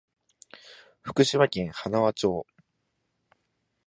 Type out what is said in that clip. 福島県塙町